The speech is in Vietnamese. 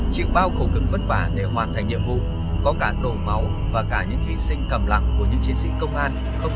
chịu bao khổ cưng vất vả để hoàn thành nhiệm vụ có cả nổ máu và cả những hy sinh cầm lặng của những chiến sĩ công an không thể nào thiết diệt